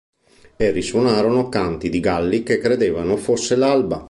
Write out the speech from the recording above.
E risuonarono canti di galli che credevano fosse l'alba.